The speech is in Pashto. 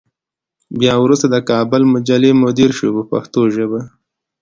بیا وروسته د کابل مجلې مدیر شو په پښتو ژبه.